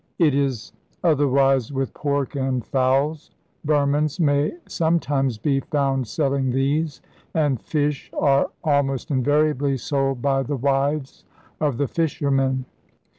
It is otherwise with pork and fowls. Burmans may sometimes be found selling these; and fish are almost invariably sold by the wives of the fishermen.